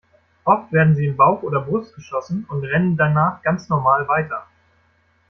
Oft werden sie in Bauch oder Brust geschossen und rennen danach ganz normal weiter.